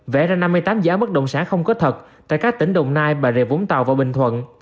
vẽ ra năm mươi tám giá bất động sản không có thật tại các tỉnh đồng nai bà rịa vũng tàu và bình thuận